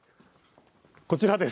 こちらです。